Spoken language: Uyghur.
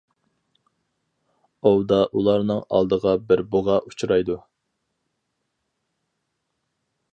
ئوۋدا ئۇلارنىڭ ئالدىغا بىر بۇغا ئۇچرايدۇ.